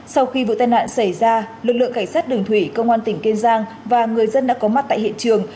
sau khi vụ tai nạn xảy ra lực lượng cảnh sát đường thủy công an tỉnh kiên giang và người dân đã có mặt tại hiện trường